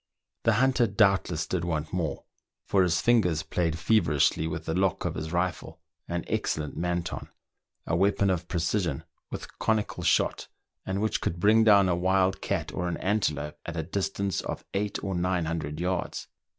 The hunter doubtless did want more, for his fingers played feverishly with the lock of his rifle, an excellent Manton, a weapon of precision with conical shot, and which could bring down a wild cat or an antelope at a distance of eight or nine hundred yards.